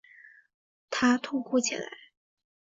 他痛哭起来